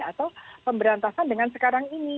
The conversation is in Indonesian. atau pemberantasan dengan sekarang ini